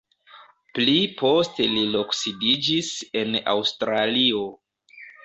Pli poste li loksidiĝis en Aŭstralio.